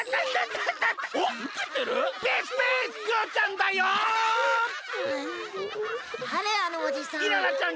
だれあのおじさん？